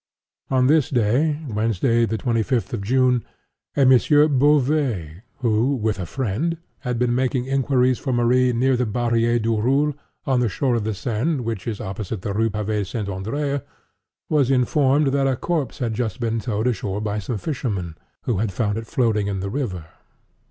On this day, (Wednesday, the twenty fifth of June,) a Monsieur Beauvais, (*8) who, with a friend, had been making inquiries for Marie near the Barrière du Roule, on the shore of the Seine which is opposite the Rue Pavée St. Andrée, was informed that a corpse had just been towed ashore by some fishermen, who had found it floating in the river.